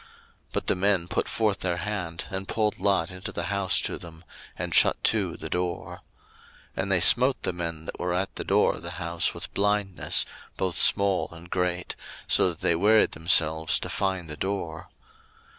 01:019:010 But the men put forth their hand, and pulled Lot into the house to them, and shut to the door. 01:019:011 And they smote the men that were at the door of the house with blindness, both small and great: so that they wearied themselves to find the door.